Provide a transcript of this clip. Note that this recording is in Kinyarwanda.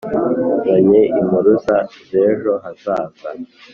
Nzanye impuruza z’ejo hazaza